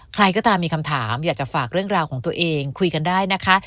ใครก็ตามมีคำถามอยากจะฝากเรื่องราวของตัวเองคุยกันได้นะคะ